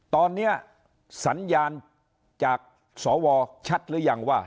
ตอนนี้สัญญาณจากสวชัดหรือยังว่า